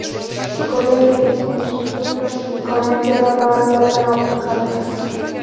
Colin regresa por sus drogas y, con Angela, va al sótano a buscarlas.